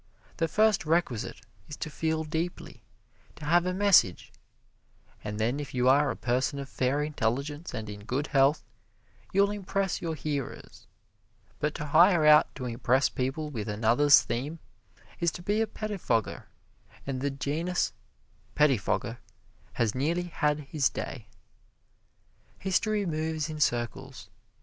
The first requisite is to feel deeply to have a message and then if you are a person of fair intelligence and in good health, you'll impress your hearers. But to hire out to impress people with another's theme is to be a pettifogger, and the genus pettifogger has nearly had his day. History moves in circles.